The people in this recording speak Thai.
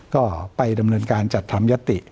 ก็ไปดำเนินการจัดทำยติ